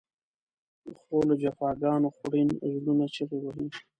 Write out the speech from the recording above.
خو له جفاګانو خوړین زړونه چغې وهي.